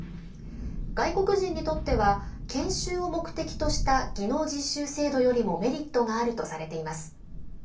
外国人にとっては研修を目的とした技能実習制度よりもメリットがあるとされています。